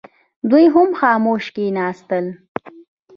دوی هم خاموش کښېنستل.